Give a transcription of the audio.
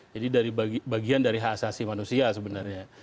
dari bagian dari hak asasi manusia sebenarnya